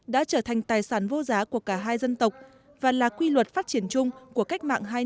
đã trở thành tài sản vô giá của cả hai dân tộc và là quy luật phát triển chung của cách mạng hai năm